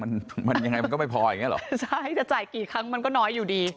มันมันยังไงมันก็ไม่พออย่างเงี้หรอใช่จะจ่ายกี่ครั้งมันก็น้อยอยู่ดี